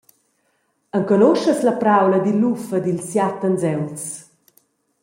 Enconuschas la praula dil luf ed ils siat anseuls?